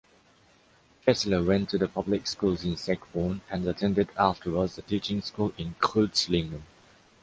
Fässler went to the public schools in Steckborn and attended afterwards the teaching school in Kreuzlingen.